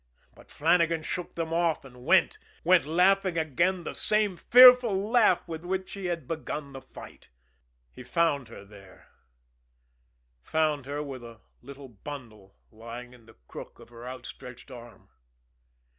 But Flannagan shook them off and went went laughing again the same fearful laugh with which he had begun the fight. He found her there found her with a little bundle lying in the crook of her outstretched arm.